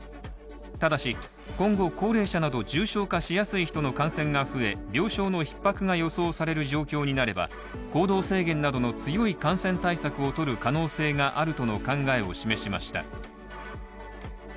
ただし、今後、高齢者など重症化しやすい人の感染が増え病床のひっ迫が予想される状況になれば行動制限などの強い感染対策をとる可能性があるとの考えを示しました。